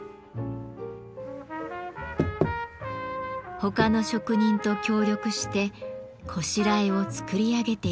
他の職人と協力して拵を作り上げていきます。